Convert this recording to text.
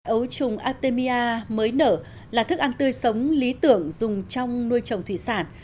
ấu trùng artemia mới nở là thức ăn tươi sống lý tưởng dùng trong nuôi trồng thủy sản